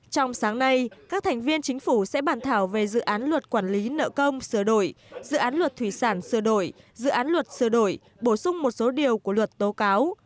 trong sáng nay các thành viên chính phủ sẽ bàn thảo về dự án luật quản lý nợ công sửa đổi dự án luật thủy sản sửa đổi dự án luật sửa đổi bổ sung một số điều của luật tố cáo